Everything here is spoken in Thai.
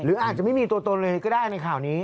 อาจจะไม่มีตัวตนเลยก็ได้ในข่าวนี้